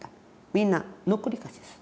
みんな残りかすです。